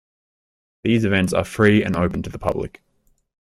These events are free and open to the public.